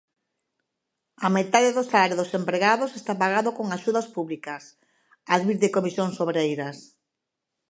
"A metade do salario dos empregados está pagado con axudas públicas", advirte Comisións Obreiras.